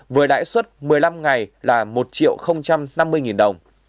với đại suất một mươi năm ngày là một triệu năm mươi đồng